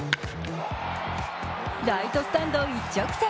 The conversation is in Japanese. ライトスタンド一直線。